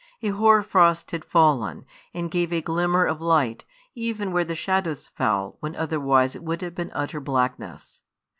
A hoar frost had fallen, and gave a glimmer of light, even where the shadows fell, when otherwise it would have been utter blackness.